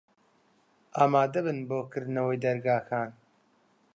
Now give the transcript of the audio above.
ئامادە بن بۆ کردنەوەی دەرگاکان.